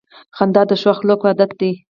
• خندا د ښو خلکو عادت دی.